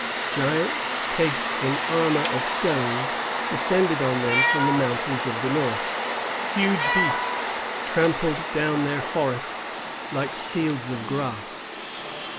Giants, cased in armor of stone, descended on them from the mountains of the north. Huge beasts trampled down their forests like fields of grass.